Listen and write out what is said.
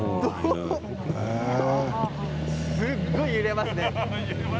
すごく揺れますね。